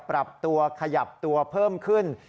ปรับตัวขยับตัวเพิ่มขึ้น